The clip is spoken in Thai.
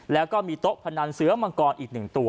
แล้วก็มีโต๊ะพนันเสื้อมังกรอีก๑ตัว